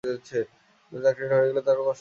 তোর চাকরিটা হয়ে গেলে তারও কষ্ট কমবে।